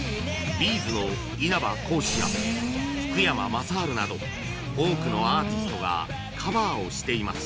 Ｂ’ｚ の稲葉浩志や福山雅治など多くのアーティストがカバーをしています